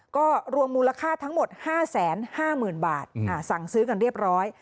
ก็รวมมูลค่าทั้งหมด๕๕๐๐๐บาทสั่งซื้อกันเรียบร้อย